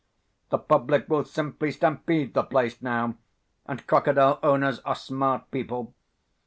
The public will simply stampede the place now, and crocodile owners are smart people.